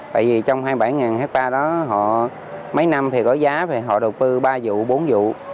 bởi vì trong hai mươi bảy hectare đó mấy năm thì có giá thì họ đầu tư ba vụ bốn vụ